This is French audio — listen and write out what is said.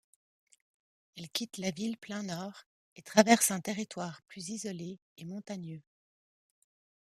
Elle quitte la ville plein nord et traverse un territoire plus isolé et montagneux.